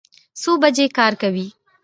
څو بجې کار کوئ؟